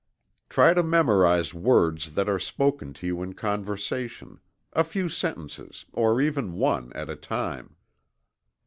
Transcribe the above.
Try to memorize words that are spoken to you in conversation a few sentences, or even one, at a time.